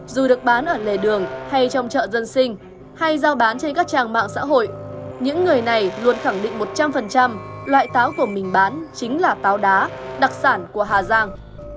dù được bán ở lề đường hay trong chợ dân sinh hay giao bán trên các trang mạng xã hội những người này luôn khẳng định một trăm linh loại táo của mình bán chính là táo đá đặc sản của hà giang